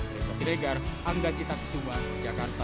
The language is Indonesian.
dari pasir egar angga cita kusuma jakarta